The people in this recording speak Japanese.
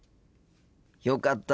よかった。